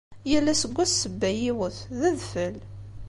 Yal asseggas sebba yiwet, d adfel.